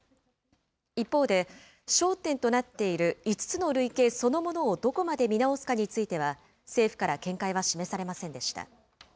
一方で、焦点となっている５つの類型そのものをどこまで見直すかについては、政府から見解は示されませんでした。